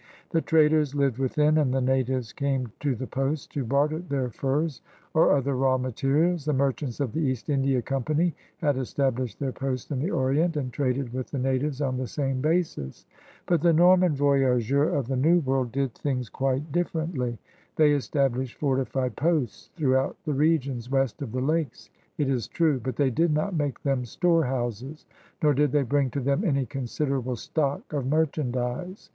The traders lived within, and the natives came to the posts to barter their furs or other raw materials. The merchants of the East India 0)mpany had established their posts in the Orient and traded with the natives on the same basis. But the Norman voyageurs of the New World did things 166 CRUSADERS OF NEW FRANCE quite differently. They established fortified posts throughout the regions west of the Lakes, it is true, but they did not make them storehouses, nor did they bring to them any considerable stock of merchandise.